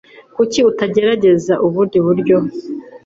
Kuki utagerageza ubundi buryo?